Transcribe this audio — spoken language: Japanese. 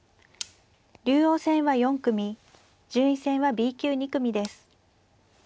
竜王戦は４組順位戦はＢ級２組です。